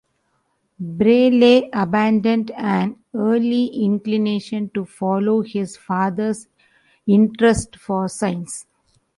Brayley abandoned an early inclination to follow his father's interests for science.